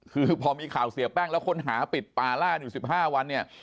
คือพอมีข่าวเสียแป้งแล้วค้นหาปิดป่าล่าอยู่๑๕วันเนี่ย